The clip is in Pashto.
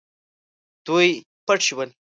دوی پټ شول.